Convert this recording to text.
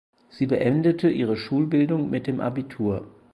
Sie beendete ihre Schulbildung mit dem Abitur.